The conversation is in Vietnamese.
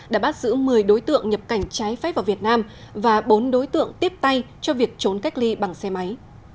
đã bắt giữ một mươi đối tượng nhập cảnh trái phép vào việt nam và bốn đối tượng tiếp tay cho việc trốn cách ly bằng xe máy